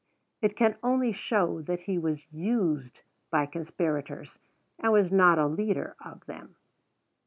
It can only show that he was used by conspirators, and was not a leader of them.